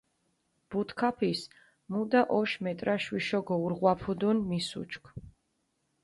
ბუთქაფის მუდა ოშ მეტრაშ ვიშო გოურღვაფუდუნ, მის უჩქჷ.